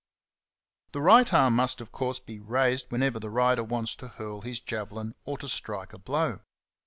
The right arm must of course be raised whenever the rider wants to hurl his javelin or to strike a blow.